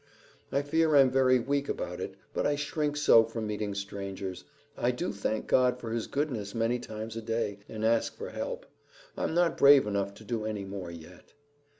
"I fear I'm very weak about it, but I shrink so from meeting strangers. I do thank God for his goodness many times a day and ask for help. I'm not brave enough to do any more, yet."